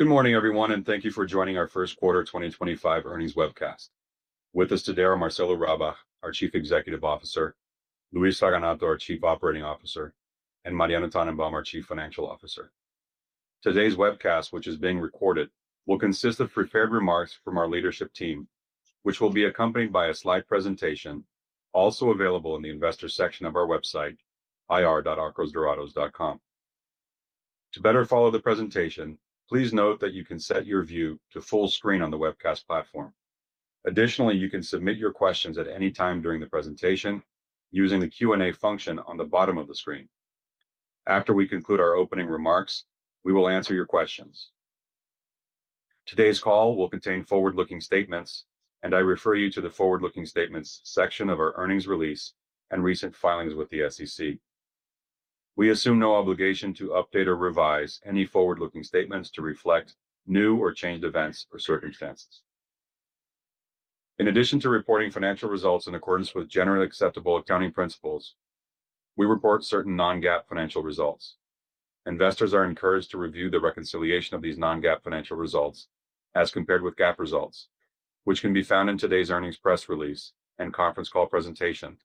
Good morning, everyone, and thank you for joining our First Quarter 2025 earnings webcast. With us today are Marcelo Rabach, our Chief Executive Officer; Luis Raganato, our Chief Operating Officer; and Mariano Tannenbaum, our Chief Financial Officer. Today's webcast, which is being recorded, will consist of prepared remarks from our leadership team, which will be accompanied by a slide presentation also available in the Investor section of our website, ir.arcosdorados.com. To better follow the presentation, please note that you can set your view to full screen on the webcast platform. Additionally, you can submit your questions at any time during the presentation using the Q&A function on the bottom of the screen. After we conclude our opening remarks, we will answer your questions. Today's call will contain forward-looking statements, and I refer you to the Forward-Looking Statements section of our earnings release and recent filings with the SEC. We assume no obligation to update or revise any forward-looking statements to reflect new or changed events or circumstances. In addition to reporting financial results in accordance with generally accepted accounting principles, we report certain non-GAAP financial results. Investors are encouraged to review the reconciliation of these non-GAAP financial results as compared with GAAP results, which can be found in today's earnings press release and conference call presentation,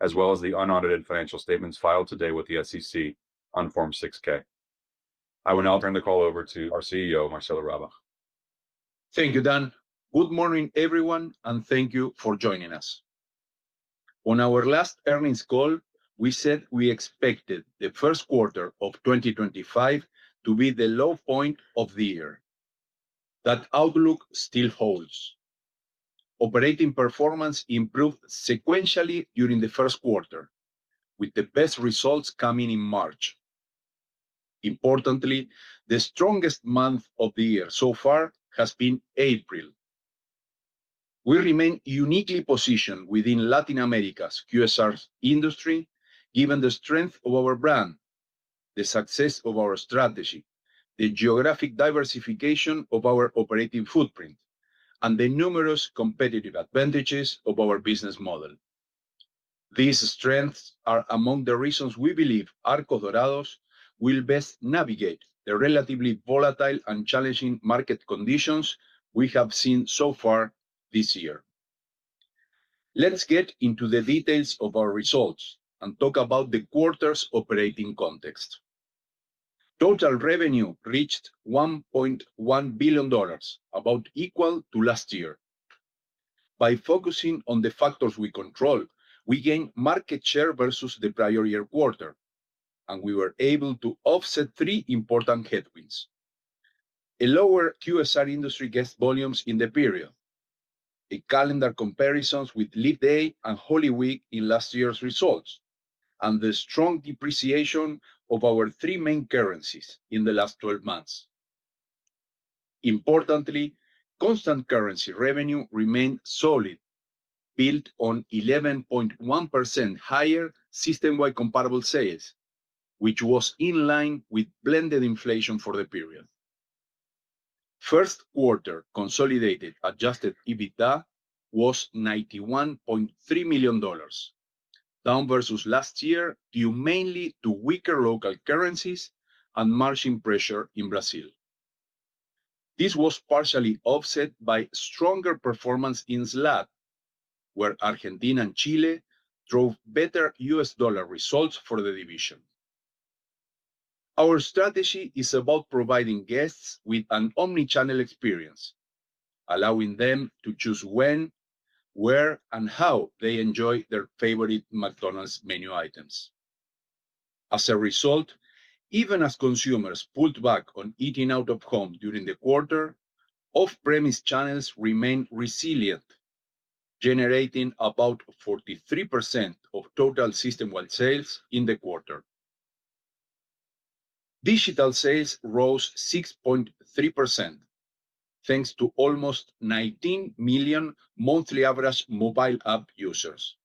as well as the unaudited financial statements filed today with the SEC on Form 6K. I will now turn the call over to our CEO, Marcelo Rabach. Thank you, Dan. Good morning, everyone, and thank you for joining us. On our last earnings call, we said we expected the first quarter of 2025 to be the low point of the year. That outlook still holds. Operating performance improved sequentially during the first quarter, with the best results coming in March. Importantly, the strongest month of the year so far has been April. We remain uniquely positioned within Latin America's QSR industry, given the strength of our brand, the success of our strategy, the geographic diversification of our operating footprint, and the numerous competitive advantages of our business model. These strengths are among the reasons we believe Arcos Dorados will best navigate the relatively volatile and challenging market conditions we have seen so far this year. Let's get into the details of our results and talk about the quarter's operating context. Total revenue reached $1.1 billion, about equal to last year. By focusing on the factors we control, we gained market share versus the prior year quarter, and we were able to offset three important headwinds: a lower QSR industry guest volumes in the period, calendar comparisons with leap day and Holy Week in last year's results, and the strong depreciation of our three main currencies in the last 12 months. Importantly, constant currency revenue remained solid, built on 11.1% higher system-wide comparable sales, which was in line with blended inflation for the period. First quarter consolidated adjusted EBITDA was $91.3 million, down versus last year due mainly to weaker local currencies and margin pressure in Brazil. This was partially offset by stronger performance in SLAD, where Argentina and Chile drove better US dollar results for the division. Our strategy is about providing guests with an omnichannel experience, allowing them to choose when, where, and how they enjoy their favorite McDonald's menu items. As a result, even as consumers pulled back on eating out of home during the quarter, off-premise channels remained resilient, generating about 43% of total system-wide sales in the quarter. Digital sales rose 6.3%, thanks to almost 19 million monthly average mobile app users.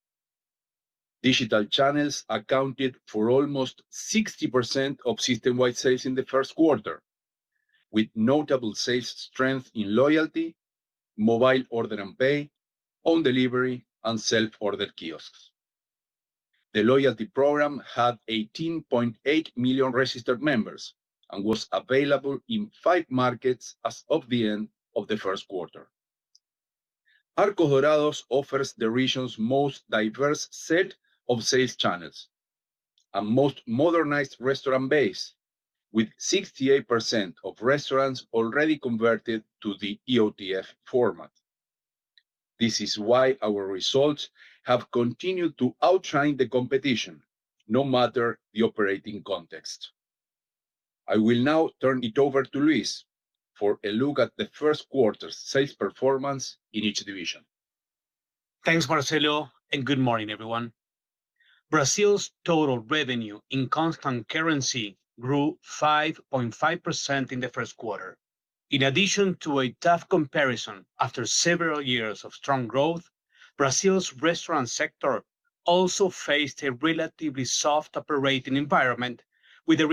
Digital channels accounted for almost 60% of system-wide sales in the first quarter, with notable sales strength in loyalty, mobile order and pay, on-delivery, and self-ordered kiosks. The loyalty program had 18.8 million registered members and was available in five markets as of the end of the first quarter. Arcos Dorados offers the region's most diverse set of sales channels and most modernized restaurant base, with 68% of restaurants already converted to the EOTF format. This is why our results have continued to outshine the competition, no matter the operating context. I will now turn it over to Luis for a look at the first quarter's sales performance in each division. Thanks, Marcelo, and good morning, everyone. Brazil's total revenue in constant currency grew 5.5% in the first quarter. In addition to a tough comparison after several years of strong growth, Brazil's restaurant sector also faced a relatively soft operating environment with a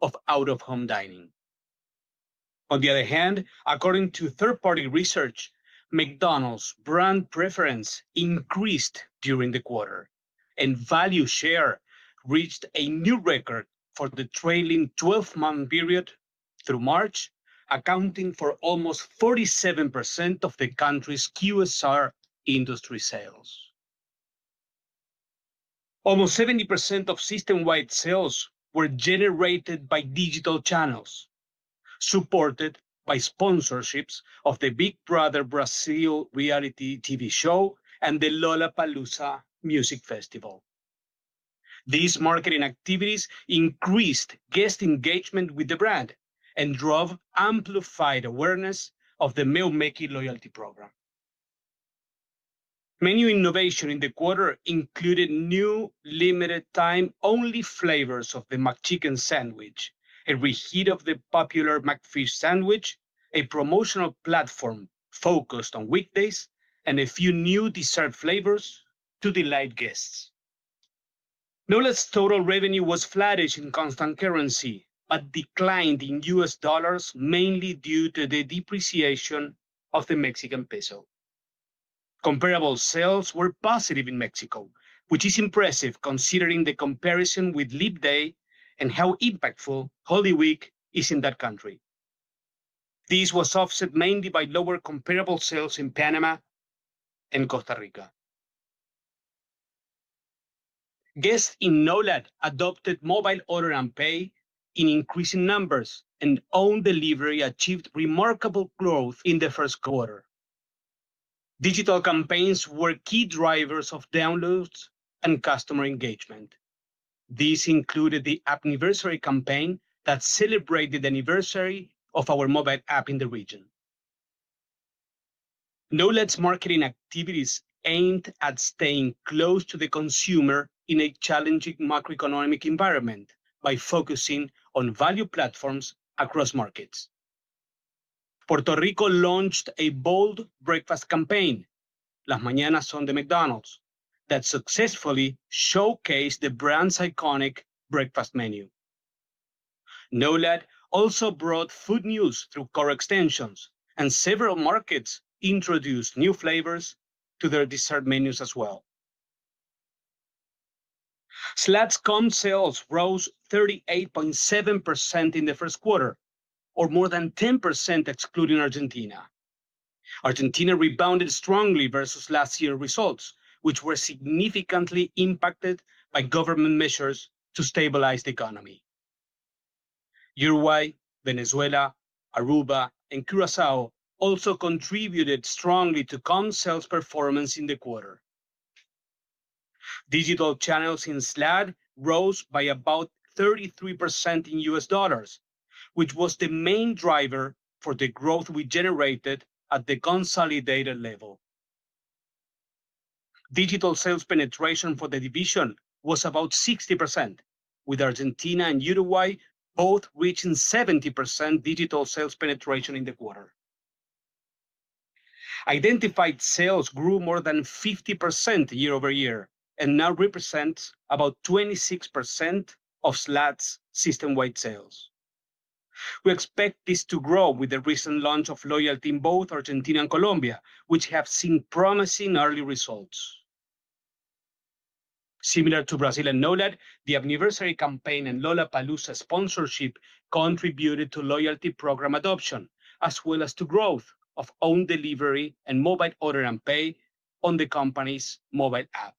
reduction of out-of-home dining. On the other hand, according to third-party research, McDonald's brand preference increased during the quarter, and value share reached a new record for the trailing 12-month period through March, accounting for almost 47% of the country's QSR industry sales. Almost 70% of system-wide sales were generated by digital channels, supported by sponsorships of the Big Brother Brazil reality TV show and the Lollapalooza music festival. These marketing activities increased guest engagement with the brand and drove amplified awareness of the meal-making loyalty program. Menu innovation in the quarter included new limited-time-only flavors of the McChicken sandwich, a reheat[relaunch] of the popular McFish sandwich, a promotional platform focused on weekdays, and a few new dessert flavors to delight guests. NOLAD's total revenue was flattish in constant currency but declined in U.S. dollars, mainly due to the depreciation of the Mexican peso. Comparable sales were positive in Mexico, which is impressive considering the comparison with leap day and how impactful Holy Week is in that country. This was offset mainly by lower comparable sales in Panama and Costa Rica. Guests in NOLAD adopted mobile order and pay in increasing numbers, and on-delivery achieved remarkable growth in the first quarter. Digital campaigns were key drivers of downloads and customer engagement. This included the app anniversary campaign that celebrated the anniversary of our mobile app in the region. NOLAD's marketing activities aimed at staying close to the consumer in a challenging macroeconomic environment by focusing on value platforms across markets. Puerto Rico launched a bold breakfast campaign, Las Mañanas on the[de] McDonald's, that successfully showcased the brand's iconic breakfast menu. NOLAD also brought food news through core extensions, and several markets introduced new flavors to their dessert menus as well. SLAD's com sales rose 38.7% in the first quarter, or more than 10% excluding Argentina. Argentina rebounded strongly versus last year's results, which were significantly impacted by government measures to stabilize the economy. Uruguay, Venezuela, Aruba, and Curaçao also contributed strongly to com sales performance in the quarter. Digital channels in SLAD rose by about 33% in U.S. dollars, which was the main driver for the growth we generated at the consolidated level. Digital sales penetration for the division was about 60%, with Argentina and Uruguay both reaching 70% digital sales penetration in the quarter. Identified sales grew more than 50% year over year and now represent about 26% of SLAD's system-wide sales. We expect this to grow with the recent launch of loyalty in both Argentina and Colombia, which have seen promising early results. Similar to Brazil and NOLAD, the anniversary campaign and Lollapalooza sponsorship contributed to loyalty program adoption, as well as to growth of on-delivery and mobile order and pay on the company's mobile app.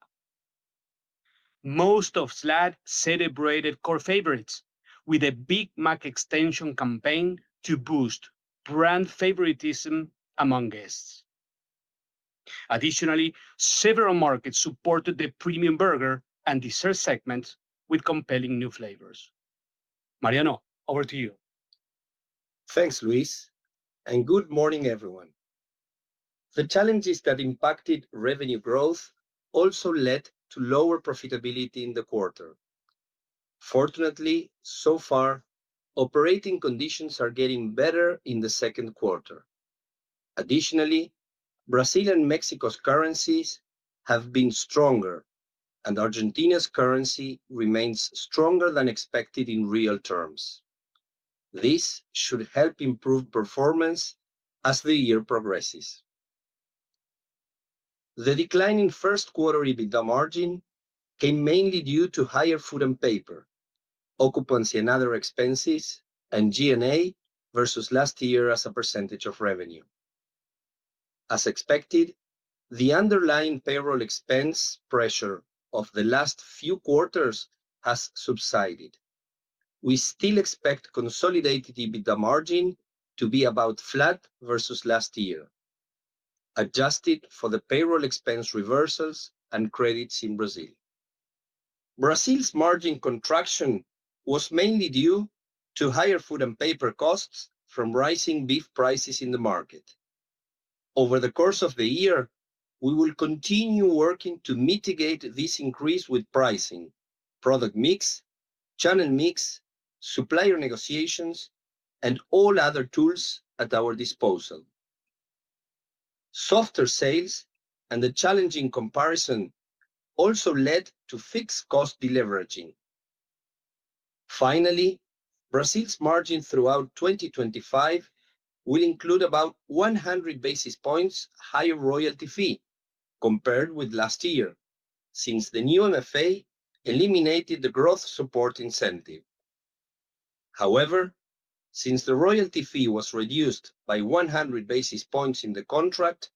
Most of SLAD celebrated core favorites with a Big Mac Extension campaign to boost brand favoritism among guests. Additionally, several markets supported the premium burger and dessert segments with compelling new flavors. Mariano, over to you. Thanks, Luis, and good morning, everyone. The challenges that impacted revenue growth also led to lower profitability in the quarter. Fortunately, so far, operating conditions are getting better in the second quarter. Additionally, Brazil and Mexico's currencies have been stronger, and Argentina's currency remains stronger than expected in real terms. This should help improve performance as the year progresses. The decline in first quarter EBITDA margin came mainly due to higher food and paper, occupancy and other expenses, and G&A versus last year as a percentage of revenue. As expected, the underlying payroll expense pressure of the last few quarters has subsided. We still expect consolidated EBITDA margin to be about flat versus last year, adjusted for the payroll expense reversals and credits in Brazil. Brazil's margin contraction was mainly due to higher food and paper costs from rising beef prices in the market. Over the course of the year, we will continue working to mitigate this increase with pricing, product mix, channel mix, supplier negotiations, and all other tools at our disposal. Softer sales and the challenging comparison also led to fixed cost deleveraging. Finally, Brazil's margin throughout 2025 will include about 100 basis points higher royalty fee compared with last year since the new MFA eliminated the growth support incentive. However, since the royalty fee was reduced by 100 basis points in the contract,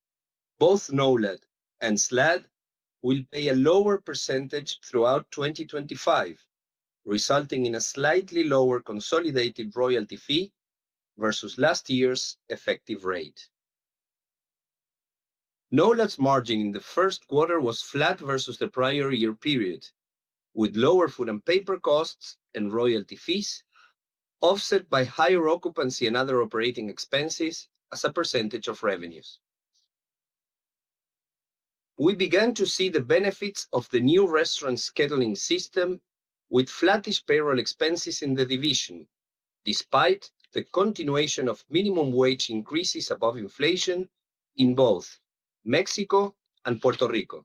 both NOLAD and SLAD will pay a lower percentage throughout 2025, resulting in a slightly lower consolidated royalty fee versus last year's effective rate. NOLAD's margin in the first quarter was flat versus the prior year period, with lower food and paper costs and royalty fees offset by higher occupancy and other operating expenses as a percentage of revenues. We began to see the benefits of the new restaurant scheduling system with flattish payroll expenses in the division, despite the continuation of minimum wage increases above inflation in both Mexico and Puerto Rico.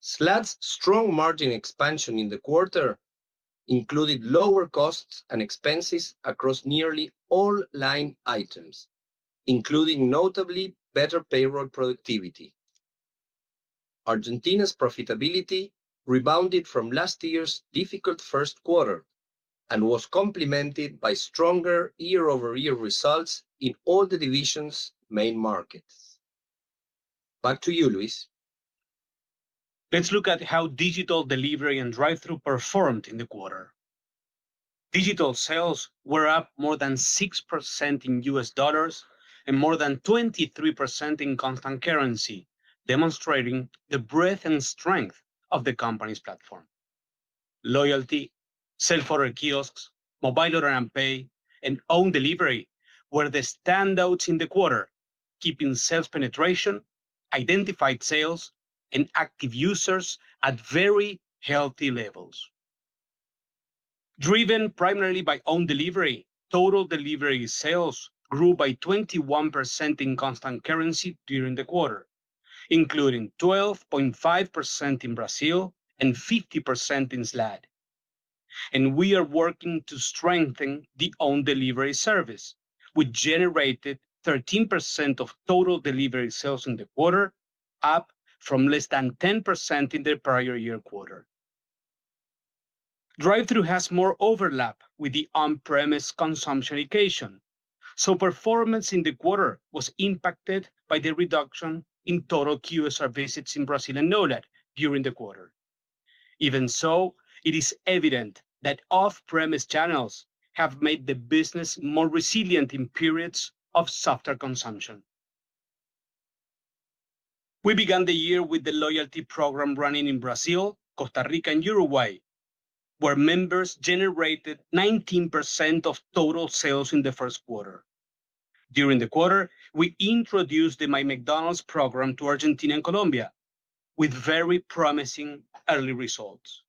SLAD's strong margin expansion in the quarter included lower costs and expenses across nearly all line items, including notably better payroll productivity. Argentina's profitability rebounded from last year's difficult first quarter and was complemented by stronger year-over-year results in all the division's main markets. Back to you, Luis. Let's look at how digital delivery and drive-thru performed in the quarter. Digital sales were up more than 6% in U.S. dollars and more than 23% in constant currency, demonstrating the breadth and strength of the company's platform. Loyalty, self-ordered kiosks, mobile order and pay, and on-delivery were the standouts in the quarter, keeping sales penetration, identified sales, and active users at very healthy levels. Driven primarily by on-delivery, total delivery sales grew by 21% in constant currency during the quarter, including 12.5% in Brazil and 50% in SLAD. We are working to strengthen the on-delivery service, which generated 13% of total delivery sales in the quarter, up from less than 10% in the prior year quarter. Drive-thru has more overlap with the on-premise consumption occasion, so performance in the quarter was impacted by the reduction in total QSR visits in Brazil and NOLAD during the quarter. Even so, it is evident that off-premise channels have made the business more resilient in periods of softer consumption. We began the year with the loyalty program running in Brazil, Costa Rica, and Uruguay, where members generated 19% of total sales in the first quarter. During the quarter, we introduced the My McDonald's program to Argentina and Colombia, with very promising early results.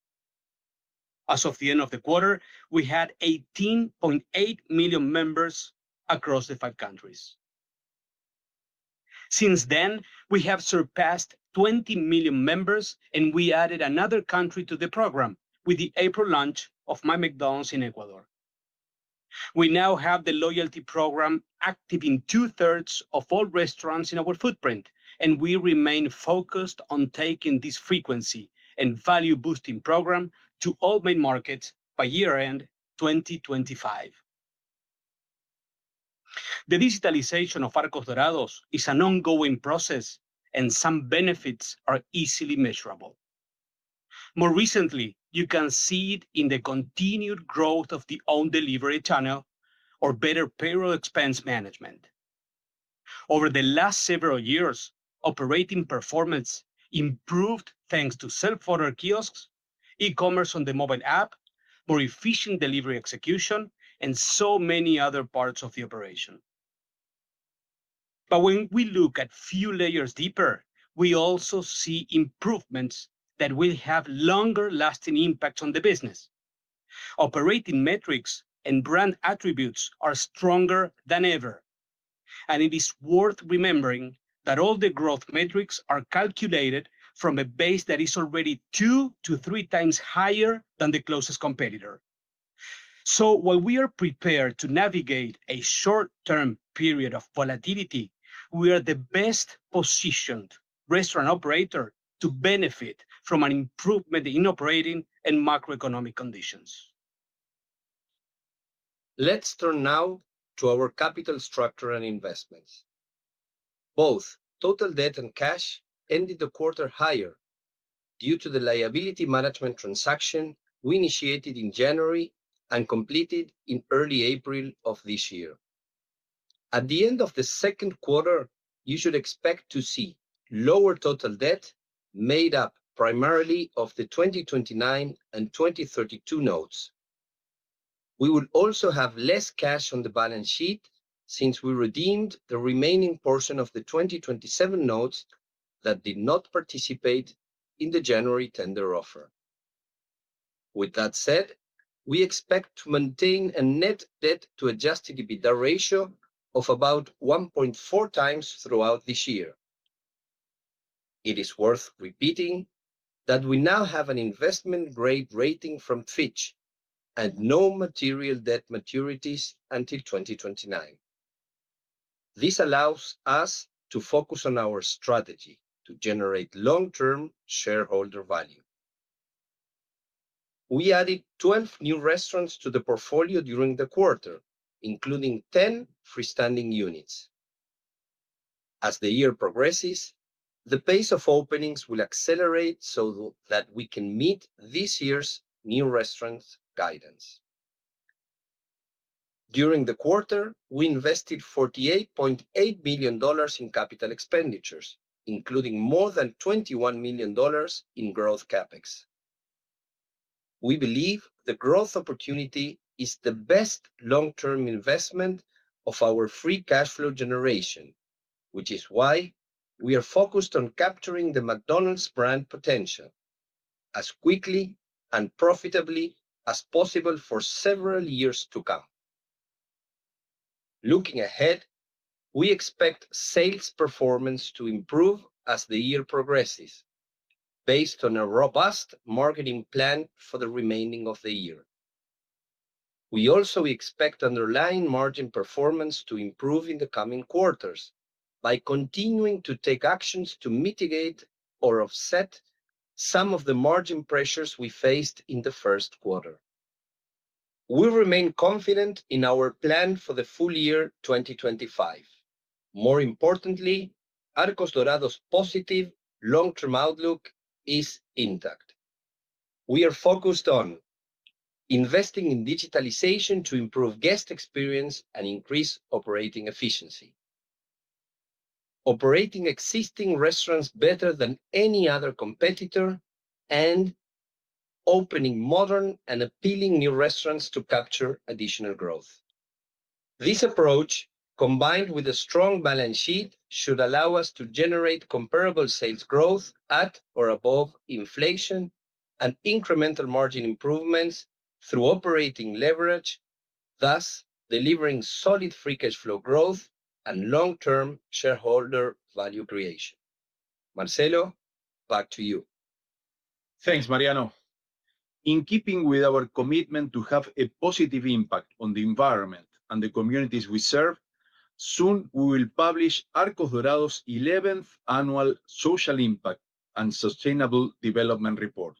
As of the end of the quarter, we had 18.8 million members across the five countries. Since then, we have surpassed 20 million members, and we added another country to the program with the April launch of My McDonald's in Ecuador. We now have the loyalty program active in two-thirds of all restaurants in our footprint, and we remain focused on taking this frequency and value-boosting program to all main markets by year-end 2025. The digitalization of Arcos Dorados is an ongoing process, and some benefits are easily measurable. More recently, you can see it in the continued growth of the on-delivery channel or better payroll expense management. Over the last several years, operating performance improved thanks to self-ordered kiosks, e-commerce on the mobile app, more efficient delivery execution, and so many other parts of the operation. When we look at a few layers deeper, we also see improvements that will have longer-lasting impacts on the business. Operating metrics and brand attributes are stronger than ever, and it is worth remembering that all the growth metrics are calculated from a base that is already two to three times higher than the closest competitor. While we are prepared to navigate a short-term period of volatility, we are the best-positioned restaurant operator to benefit from an improvement in operating and macroeconomic conditions. Let's turn now to our capital structure and investments. Both total debt and cash ended the quarter higher due to the liability management transaction we initiated in January and completed in early April of this year. At the end of the second quarter, you should expect to see lower total debt made up primarily of the 2029 and 2032 notes. We will also have less cash on the balance sheet since we redeemed the remaining portion of the 2027 notes that did not participate in the January tender offer. With that said, we expect to maintain a net debt-to-adjusted EBITDA ratio of about 1.4 times throughout this year. It is worth repeating that we now have an investment-grade rating from Fitch and no material debt maturities until 2029. This allows us to focus on our strategy to generate long-term shareholder value. We added 12 new restaurants to the portfolio during the quarter, including 10 freestanding units. As the year progresses, the pace of openings will accelerate so that we can meet this year's new restaurant guidance. During the quarter, we invested $48.8 million in capital expenditures, including more than $21 million in growth CapEx. We believe the growth opportunity is the best long-term investment of our free cash flow generation, which is why we are focused on capturing the McDonald's brand potential as quickly and profitably as possible for several years to come. Looking ahead, we expect sales performance to improve as the year progresses based on a robust marketing plan for the remaining of the year. We also expect underlying margin performance to improve in the coming quarters by continuing to take actions to mitigate or offset some of the margin pressures we faced in the first quarter. We remain confident in our plan for the full year 2025. More importantly, Arcos Dorados' positive long-term outlook is intact. We are focused on investing in digitalization to improve guest experience and increase operating efficiency, operating existing restaurants better than any other competitor, and opening modern and appealing new restaurants to capture additional growth. This approach, combined with a strong balance sheet, should allow us to generate comparable sales growth at or above inflation and incremental margin improvements through operating leverage, thus delivering solid free cash flow growth and long-term shareholder value creation. Marcelo, back to you. Thanks, Mariano. In keeping with our commitment to have a positive impact on the environment and the communities we serve, soon we will publish Arcos Dorados' 11th annual Social Impact and Sustainable Development Report.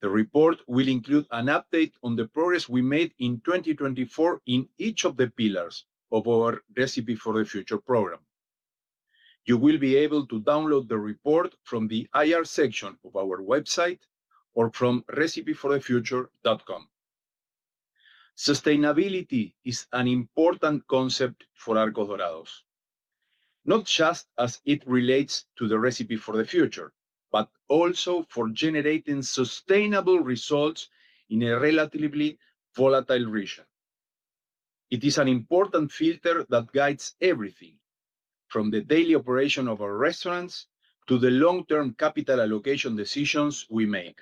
The report will include an update on the progress we made in 2024 in each of the pillars of our Recipe for the Future program. You will be able to download the report from the IR section of our website or from recipe4thefuture.com. Sustainability is an important concept for Arcos Dorados, not just as it relates to the Recipe for the Future, but also for generating sustainable results in a relatively volatile region. It is an important filter that guides everything from the daily operation of our restaurants to the long-term capital allocation decisions we make.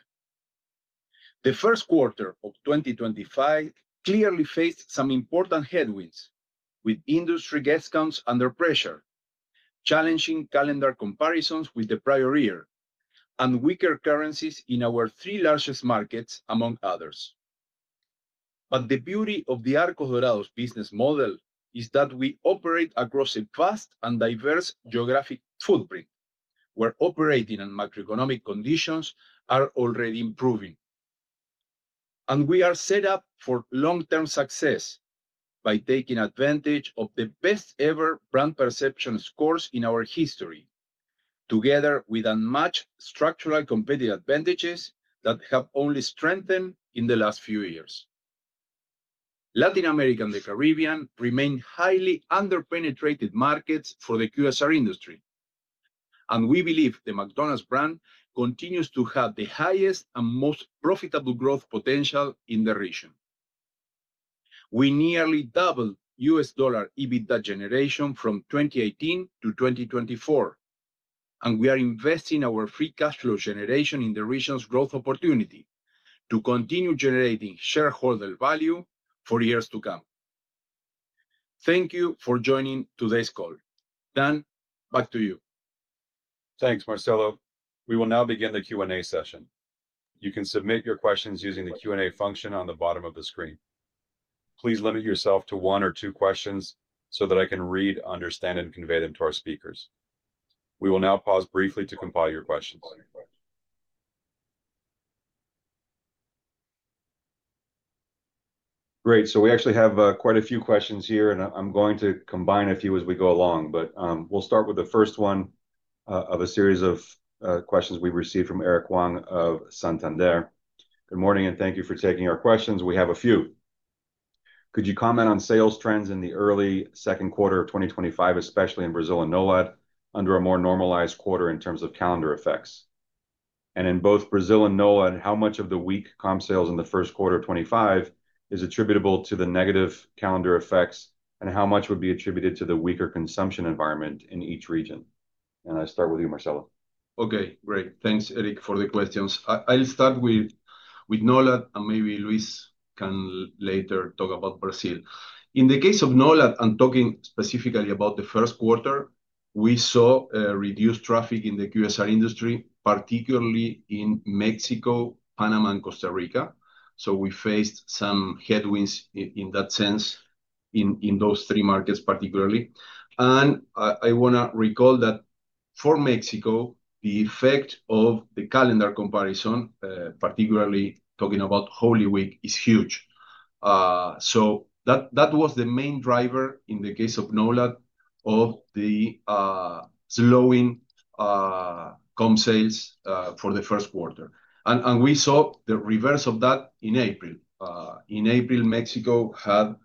The first quarter of 2025 clearly faced some important headwinds with industry guest counts under pressure, challenging calendar comparisons with the prior year, and weaker currencies in our three largest markets, among others. The beauty of the Arcos Dorados business model is that we operate across a vast and diverse geographic footprint where operating and macroeconomic conditions are already improving. We are set up for long-term success by taking advantage of the best-ever brand perception scores in our history, together with unmatched structural competitive advantages that have only strengthened in the last few years. Latin America and the Caribbean remain highly under-penetrated markets for the QSR industry, and we believe the McDonald's brand continues to have the highest and most profitable growth potential in the region. We nearly doubled U.S. dollar EBITDA generation from 2018 to 2024, and we are investing our free cash flow generation in the region's growth opportunity to continue generating shareholder value for years to come. Thank you for joining today's call. Dan, back to you. Thanks, Marcelo. We will now begin the Q&A session. You can submit your questions using the Q&A function on the bottom of the screen. Please limit yourself to one or two questions so that I can read, understand, and convey them to our speakers. We will now pause briefly to compile your questions. Great. We actually have quite a few questions here, and I'm going to combine a few as we go along, but we'll start with the first one of a series of questions we received from Eric Wang of Santander. Good morning, and thank you for taking our questions. We have a few. Could you comment on sales trends in the early second quarter of 2025, especially in Brazil and NOLAD under a more normalized quarter in terms of calendar effects? In both Brazil and NOLAD, how much of the weak comp sales in the first quarter of 2025 is attributable to the negative calendar effects, and how much would be attributed to the weaker consumption environment in each region? I'll start with you, Marcelo. Okay, great. Thanks, Eric, for the questions. I'll start with NOLAD, and maybe Luis can later talk about Brazil. In the case of NOLAD, I'm talking specifically about the first quarter. We saw a reduced traffic in the QSR industry, particularly in Mexico, Panama, and Costa Rica. We faced some headwinds in that sense in those three markets particularly. I want to recall that for Mexico, the effect of the calendar comparison, particularly talking about Holy Week, is huge. That was the main driver in the case of NOLAD of the slowing comp sales for the first quarter. We saw the reverse of that in April. In April, Mexico had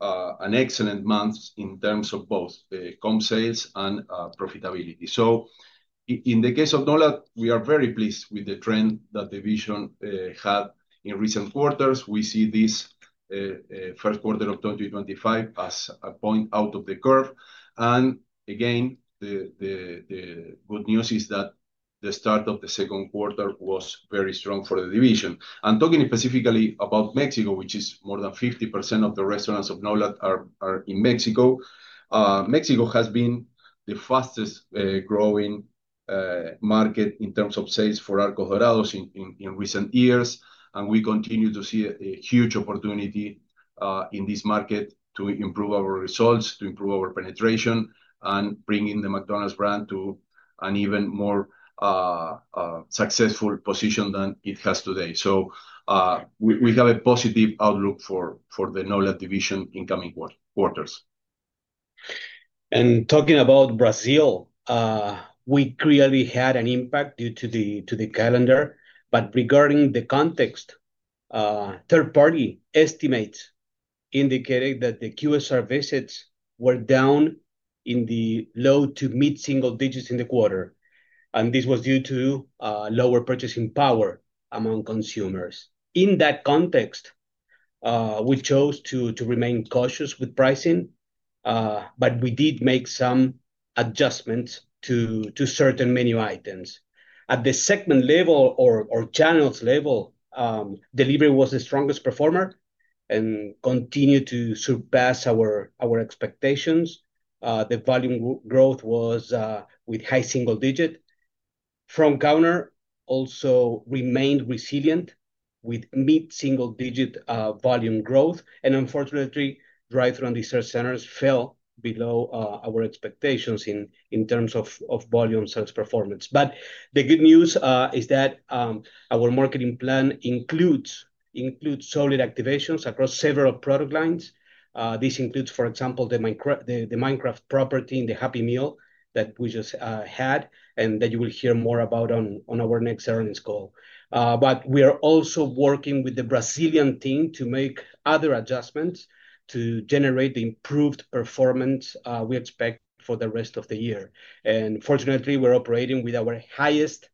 an excellent month in terms of both comp sales and profitability. In the case of NOLAD, we are very pleased with the trend that the division had in recent quarters. We see this first quarter of 2025 as a point out of the curve. Again, the good news is that the start of the second quarter was very strong for the division. I'm talking specifically about Mexico, which is more than 50% of the restaurants of NOLAD are in Mexico. Mexico has been the fastest growing market in terms of sales for Arcos Dorados in recent years, and we continue to see a huge opportunity in this market to improve our results, to improve our penetration, and bringing the McDonald's brand to an even more successful position than it has today. We have a positive outlook for the NOLA Division in coming quarters. Talking about Brazil, we clearly had an impact due to the calendar, but regarding the context, third-party estimates indicated that the QSR visits were down in the low to mid-single digits in the quarter, and this was due to lower purchasing power among consumers. In that context, we chose to remain cautious with pricing, but we did make some adjustments to certain menu items. At the segment level or channels level, delivery was the strongest performer and continued to surpass our expectations. The volume growth was with high single digit. Front counter also remained resilient with mid-single digit volume growth, and unfortunately, drive-thru and dessert centers fell below our expectations in terms of volume sales performance. The good news is that our marketing plan includes solid activations across several product lines. This includes, for example, the Minecraft property in the Happy Meal that we just had and that you will hear more about on our next earnings call. We are also working with the Brazilian team to make other adjustments to generate the improved performance we expect for the rest of the year. Fortunately, we're operating with our highest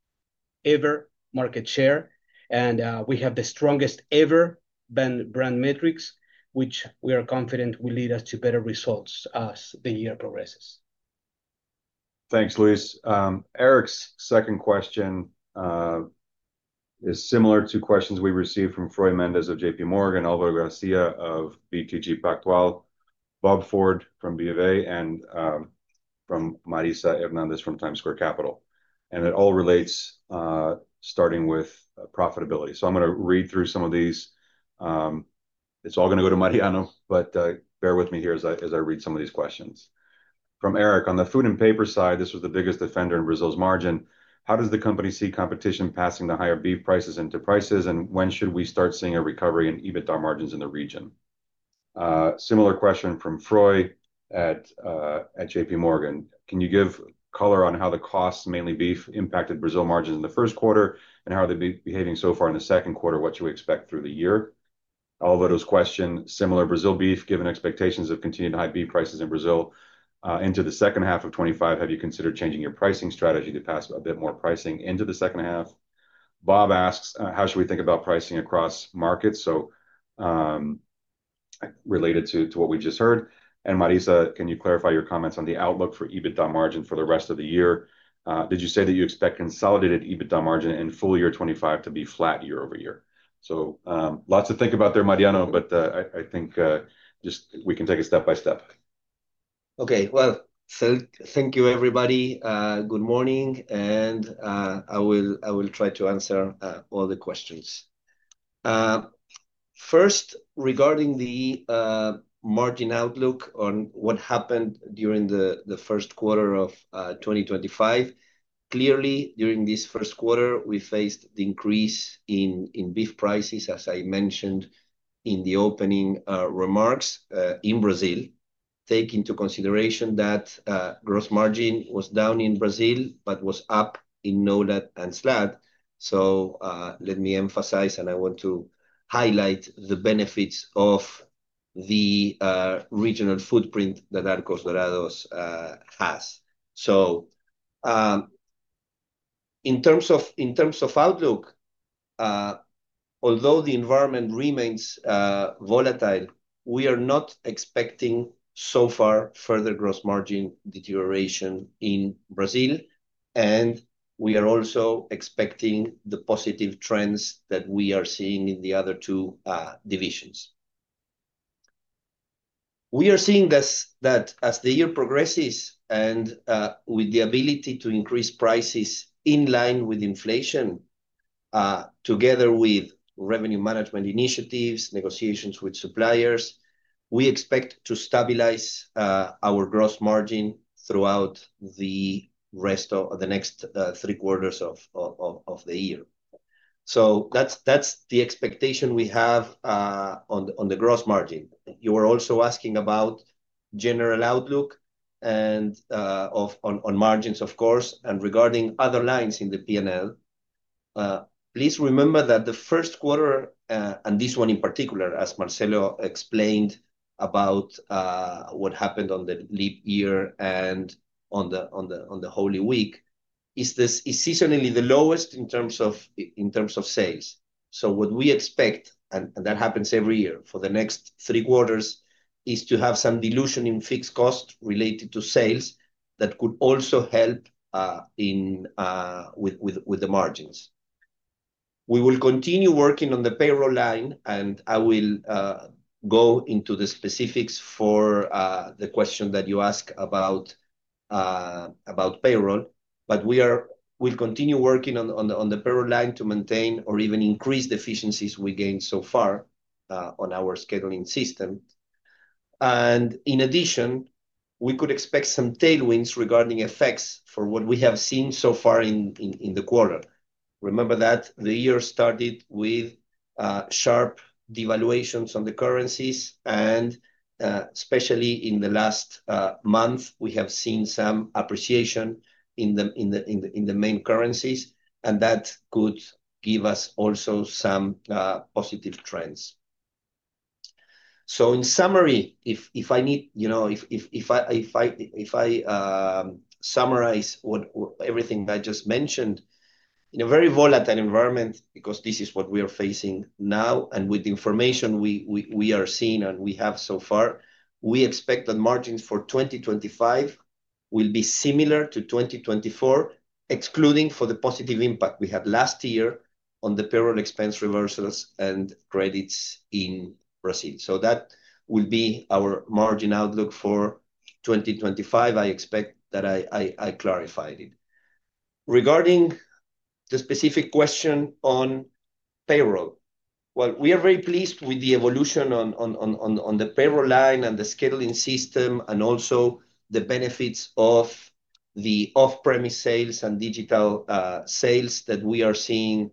ever market share, and we have the strongest ever brand metrics, which we are confident will lead us to better results as the year progresses. Thanks, Luis. Eric's second question is similar to questions we received from Froy Mendez of J.P. Morgan, Álvaro García of BTG Pactual, Bob Ford from BA, and from Marisa Hernandez from TimesSquare Capital. It all relates starting with profitability. I'm going to read through some of these. It's all going to go to Mariano, but bear with me here as I read some of these questions. From Eric, on the food and paper side, this was the biggest defender in Brazil's margin. How does the company see competition passing the higher beef prices into prices, and when should we start seeing a recovery in EBITDA margins in the region? Similar question from Froy at J.P. Morgan. Can you give color on how the costs, mainly beef, impacted Brazil margins in the first quarter, and how are they behaving so far in the second quarter? What should we expect through the year? Álvaro's question, similar Brazil beef, given expectations of continued high beef prices in Brazil into the second half of 2025, have you considered changing your pricing strategy to pass a bit more pricing into the second half? Bob asks, how should we think about pricing across markets related to what we just heard? Marisa, can you clarify your comments on the outlook for EBITDA margin for the rest of the year? Did you say that you expect consolidated EBITDA margin in full year 2025 to be flat year over year? Lots to think about there, Mariano, but I think just we can take it step by step. Okay, thank you, everybody. Good morning, and I will try to answer all the questions. First, regarding the margin outlook on what happened during the first quarter of 2025, clearly during this first quarter, we faced the increase in beef prices, as I mentioned in the opening remarks in Brazil, taking into consideration that gross margin was down in Brazil, but was up in NOLAD and SLAD. Let me emphasize, and I want to highlight the benefits of the regional footprint that Arcos Dorados has. In terms of outlook, although the environment remains volatile, we are not expecting so far further gross margin deterioration in Brazil, and we are also expecting the positive trends that we are seeing in the other two divisions. We are seeing that as the year progresses and with the ability to increase prices in line with inflation, together with revenue management initiatives, negotiations with suppliers, we expect to stabilize our gross margin throughout the rest of the next three quarters of the year. That is the expectation we have on the gross margin. You were also asking about general outlook and on margins, of course, and regarding other lines in the P&L. Please remember that the first quarter, and this one in particular, as Marcelo explained about what happened on the leap year and on the Holy Week, is seasonally the lowest in terms of sales. What we expect, and that happens every year for the next three quarters, is to have some dilution in fixed costs related to sales that could also help with the margins. We will continue working on the payroll line, and I will go into the specifics for the question that you asked about payroll, but we will continue working on the payroll line to maintain or even increase the efficiencies we gained so far on our scheduling system. In addition, we could expect some tailwinds regarding effects for what we have seen so far in the quarter. Remember that the year started with sharp devaluations on the currencies, and especially in the last month, we have seen some appreciation in the main currencies, and that could give us also some positive trends. In summary, if I summarize everything I just mentioned, in a very volatile environment, because this is what we are facing now, and with the information we are seeing and we have so far, we expect that margins for 2025 will be similar to 2024, excluding the positive impact we had last year on the payroll expense reversals and credits in Brazil. That will be our margin outlook for 2025. I expect that I clarified it. Regarding the specific question on payroll, we are very pleased with the evolution on the payroll line and the scheduling system and also the benefits of the off-premise sales and digital sales that we are seeing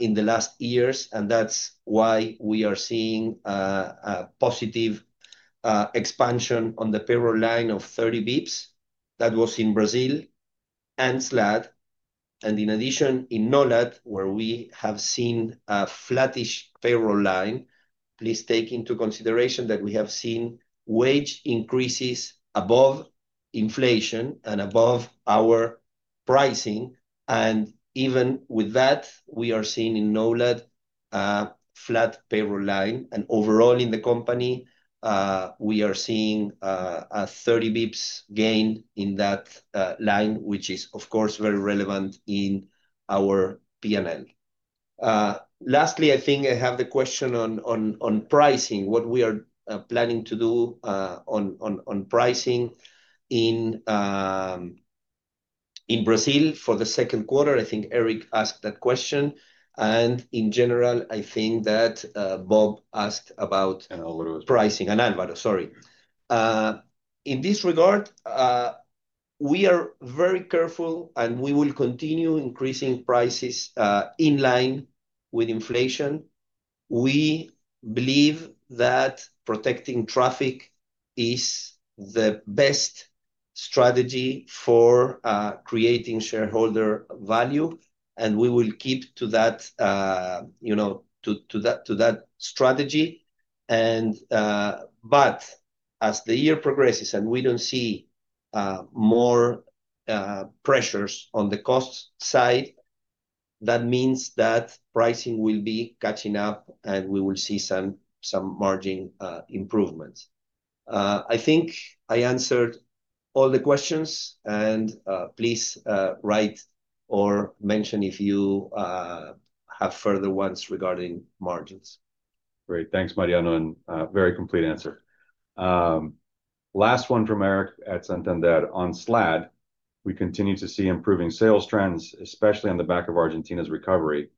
in the last years, and that is why we are seeing a positive expansion on the payroll line of 30 basis points. That was in Brazil and SLAD. In addition, in NOLAD, where we have seen a flattish payroll line, please take into consideration that we have seen wage increases above inflation and above our pricing. Even with that, we are seeing in NOLAD a flat payroll line. Overall, in the company, we are seeing a 30 basis points gain in that line, which is, of course, very relevant in our P&L. Lastly, I think I have the question on pricing, what we are planning to do on pricing in Brazil for the second quarter. I think Eric asked that question. In general, I think that Bob asked about pricing and Álvaro, sorry. In this regard, we are very careful, and we will continue increasing prices in line with inflation. We believe that protecting traffic is the best strategy for creating shareholder value, and we will keep to that strategy. As the year progresses and we do not see more pressures on the cost side, that means that pricing will be catching up, and we will see some margin improvements. I think I answered all the questions, and please write or mention if you have further ones regarding margins. Great. Thanks, Mariano, and very complete answer. Last one from Eric at Santander. On SLAD, we continue to see improving sales trends, especially on the back of Argentina's recovery.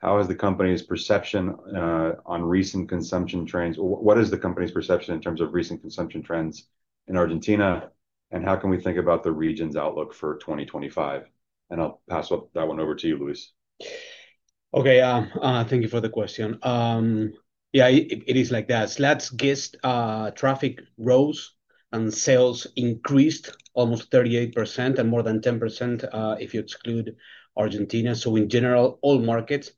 How has the company's perception on recent consumption trends? What is the company's perception in terms of recent consumption trends in Argentina, and how can we think about the region's outlook for 2025? I'll pass that one over to you, Luis. Okay, thank you for the question. Yeah, it is like that. SLAD's guest traffic rose and sales increased almost 38% and more than 10% if you exclude Argentina. In general, all markets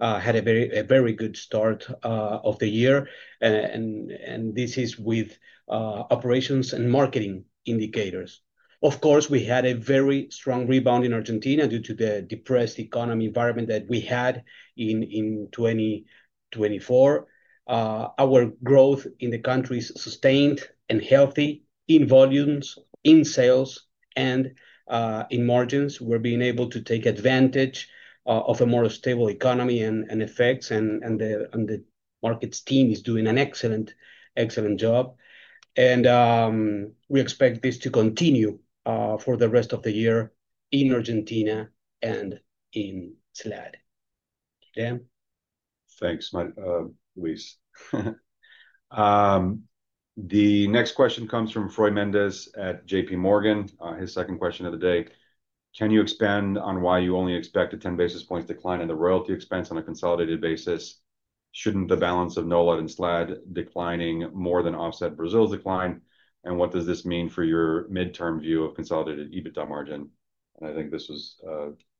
had a very good start of the year, and this is with operations and marketing indicators. Of course, we had a very strong rebound in Argentina due to the depressed economy environment that we had in 2024. Our growth in the country is sustained and healthy in volumes, in sales, and in margins. We're being able to take advantage of a more stable economy and effects, and the markets team is doing an excellent job. We expect this to continue for the rest of the year in Argentina and in SLAD. Thanks, Luis. The next question comes from Froy Mendez at J.P. Morgan. His second question of the day: Can you expand on why you only expect a 10 basis points decline in the royalty expense on a consolidated basis? Shouldn't the balance of NOLAD and SLAD declining more than offset Brazil's decline? What does this mean for your midterm view of consolidated EBITDA margin? I think this was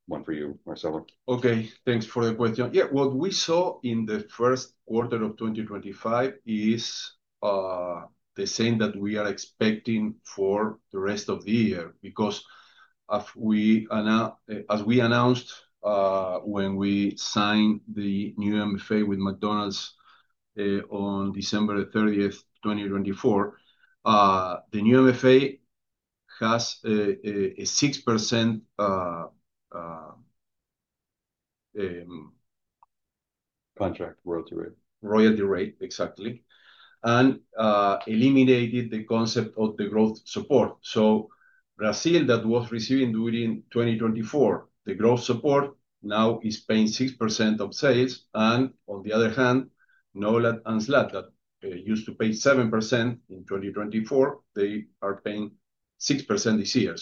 one for you, Marcelo. Okay, thanks for the question. Yeah, what we saw in the first quarter of 2025 is the same that we are expecting for the rest of the year because as we announced when we signed the new MFA with McDonald's on December 30, 2024, the new MFA has a 6%. Contract royalty rate. Right, exactly. Eliminated the concept of the growth support. Brazil that was receiving during 2024, the growth support now is paying 6% of sales. On the other hand, NOLAD and SLAD that used to pay 7% in 2024, they are paying 6% this year.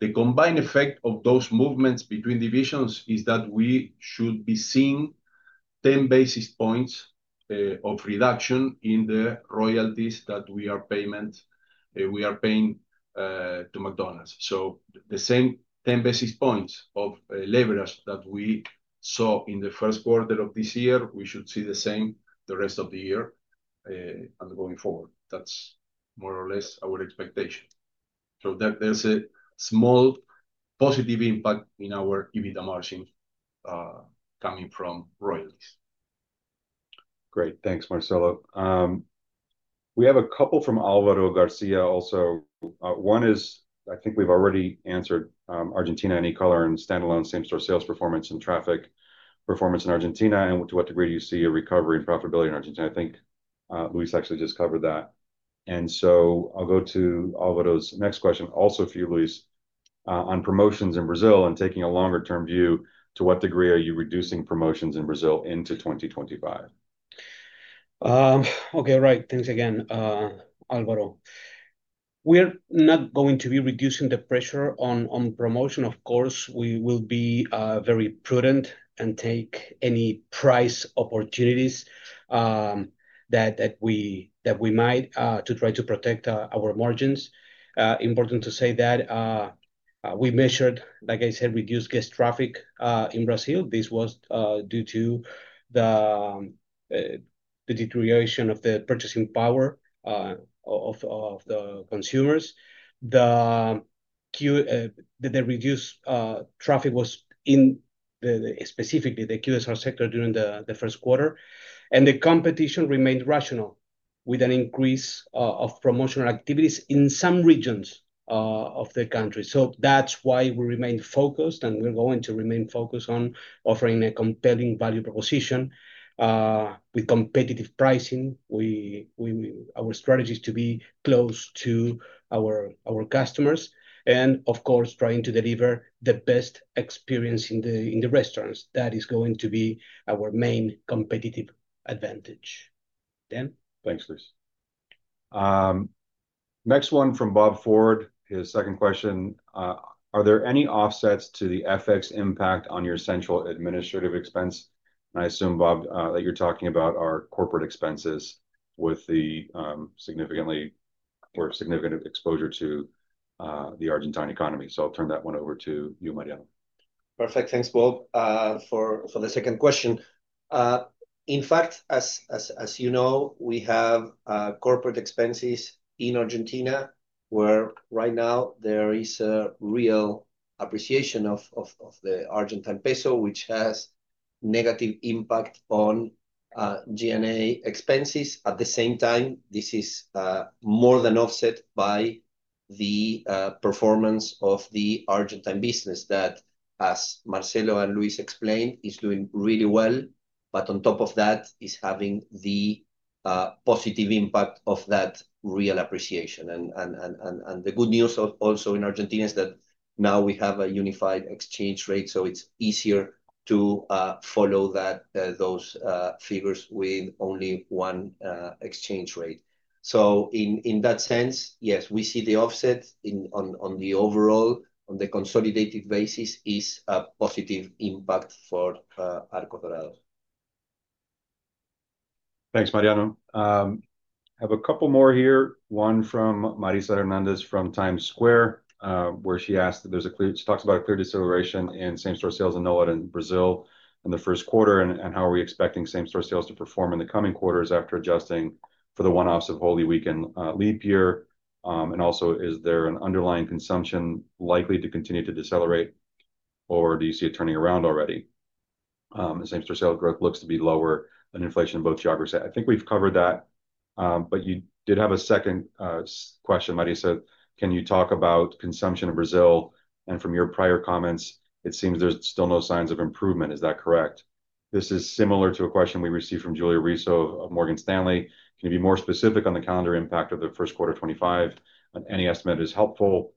The combined effect of those movements between divisions is that we should be seeing 10 basis points of reduction in the royalties that we are paying to McDonald's. The same 10 basis points of leverage that we saw in the first quarter of this year, we should see the same the rest of the year and going forward. That's more or less our expectation. There's a small positive impact in our EBITDA margin coming from royalties. Great. Thanks, Marcelo. We have a couple from Álvaro Garcia also. One is, I think we've already answered Argentina, any color in standalone same-store sales performance and traffic performance in Argentina, and to what degree do you see a recovery in profitability in Argentina? I think Luis actually just covered that. I will go to Álvaro's next question, also for you, Luis, on promotions in Brazil and taking a longer-term view, to what degree are you reducing promotions in Brazil into 2025? Okay, all right. Thanks again, Álvaro. We are not going to be reducing the pressure on promotion. Of course, we will be very prudent and take any price opportunities that we might to try to protect our margins. Important to say that we measured, like I said, reduced guest traffic in Brazil. This was due to the deterioration of the purchasing power of the consumers. The reduced traffic was in specifically the QSR sector during the first quarter. The competition remained rational with an increase of promotional activities in some regions of the country. That is why we remained focused, and we are going to remain focused on offering a compelling value proposition with competitive pricing. Our strategy is to be close to our customers and, of course, trying to deliver the best experience in the restaurants. That is going to be our main competitive advantage. Thanks, Luis. Next one from Bob Ford, his second question. Are there any offsets to the FX impact on your central administrative expense? I assume, Bob, that you're talking about our corporate expenses with the significant exposure to the Argentine economy. I'll turn that one over to you, Mariano. Perfect. Thanks, Bob, for the second question. In fact, as you know, we have corporate expenses in Argentina where right now there is a real appreciation of the Argentine peso, which has a negative impact on G&A expenses. At the same time, this is more than offset by the performance of the Argentine business that, as Marcelo and Luis explained, is doing really well, but on top of that, is having the positive impact of that real appreciation. The good news also in Argentina is that now we have a unified exchange rate, so it's easier to follow those figures with only one exchange rate. In that sense, yes, we see the offset on the overall, on the consolidated basis, is a positive impact for Arcos Dorados. Thanks, Mariano. I have a couple more here. One from Marisa Hernandez from Times Square, where she asked if there's a clear, she talks about a clear deceleration in same-store sales in NOLAD and Brazil in the first quarter, and how are we expecting same-store sales to perform in the coming quarters after adjusting for the one-offs of Holy Week and leap year? Also, is there an underlying consumption likely to continue to decelerate, or do you see it turning around already? Same-store sales growth looks to be lower than inflation in both geographies. I think we've covered that, but you did have a second question, Marisa. Can you talk about consumption in Brazil? From your prior comments, it seems there's still no signs of improvement. Is that correct? This is similar to a question we received from Julia Riso of Morgan Stanley. Can you be more specific on the calendar impact of the first quarter 2025? Any estimate is helpful.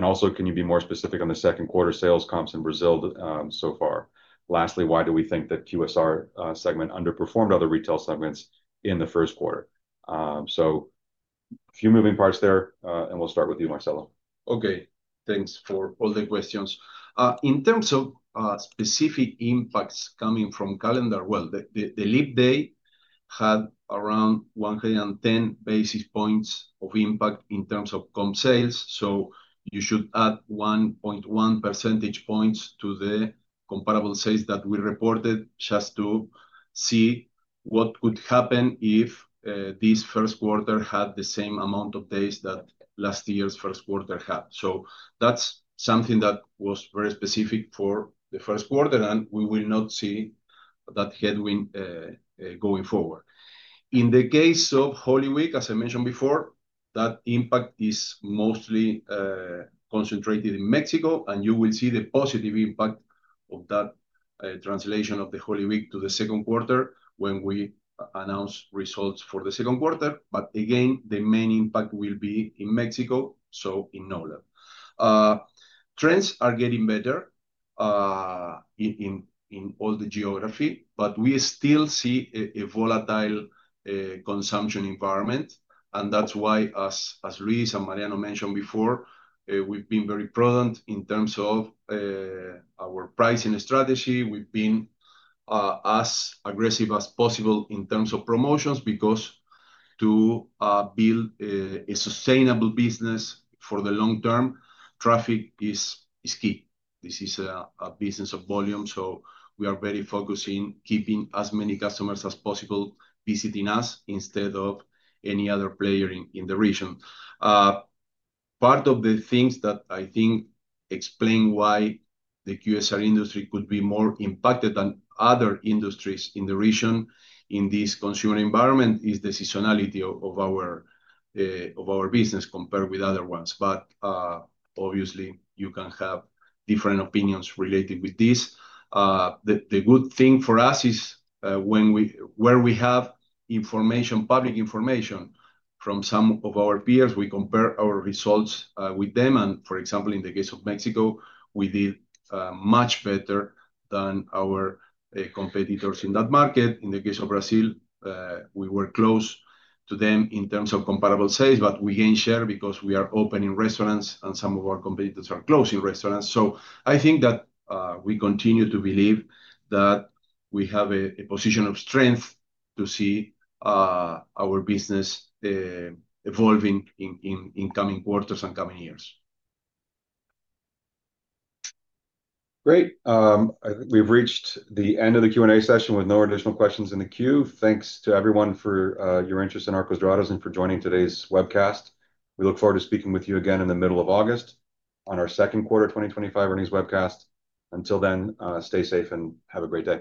Also, can you be more specific on the second quarter sales comps in Brazil so far? Lastly, why do we think that QSR segment underperformed other retail segments in the first quarter? A few moving parts there, and we'll start with you, Marcelo. Okay, thanks for all the questions. In terms of specific impacts coming from calendar, the leap day had around 110 basis points of impact in terms of comp sales. You should add 1.1 percentage points to the comparable sales that we reported just to see what could happen if this first quarter had the same amount of days that last year's first quarter had. That is something that was very specific for the first quarter, and we will not see that headwind going forward. In the case of Holy Week, as I mentioned before, that impact is mostly concentrated in Mexico, and you will see the positive impact of that translation of the Holy Week to the second quarter when we announce results for the second quarter. Again, the main impact will be in Mexico, in NOLAD. Trends are getting better in all the geography, but we still see a volatile consumption environment. That is why, as Luis and Mariano mentioned before, we have been very prudent in terms of our pricing strategy. We have been as aggressive as possible in terms of promotions because to build a sustainable business for the long term, traffic is key. This is a business of volume, so we are very focused on keeping as many customers as possible visiting us instead of any other player in the region. Part of the things that I think explain why the QSR industry could be more impacted than other industries in the region in this consumer environment is the seasonality of our business compared with other ones. Obviously, you can have different opinions related with this. The good thing for us is when we have public information from some of our peers, we compare our results with them. For example, in the case of Mexico, we did much better than our competitors in that market. In the case of Brazil, we were close to them in terms of comparable sales, but we gained share because we are opening restaurants and some of our competitors are closing restaurants. I think that we continue to believe that we have a position of strength to see our business evolving in coming quarters and coming years. Great. I think we've reached the end of the Q&A session with no additional questions in the queue. Thanks to everyone for your interest in Arcos Dorados and for joining today's webcast. We look forward to speaking with you again in the middle of August on our second quarter 2025 earnings webcast. Until then, stay safe and have a great day.